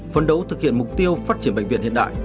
phấn đấu thực hiện mục tiêu phát triển bệnh viện hiện đại